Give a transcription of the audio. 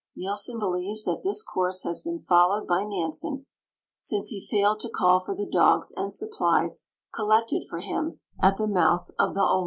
Nielsen believes that this course has been followed by Nansen, since he failed to call for the dogs and supplies collected for him at the mouth of the Olenek.